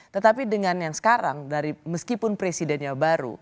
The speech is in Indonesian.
tetapi dengan yang sekarang dari meskipun presidennya baru